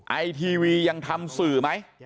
ไอทีวียังทำสื่อไหม